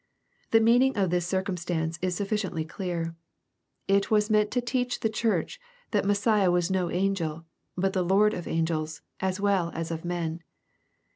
The meaning of this circumstance is sufficiently clear. It was meant to teach the church that Messiah was no angel, but the Lord of angels, as well as of men.